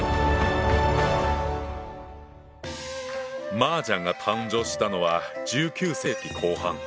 麻雀が誕生したのは１９世紀後半。